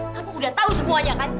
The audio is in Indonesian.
kamu udah tahu semuanya kan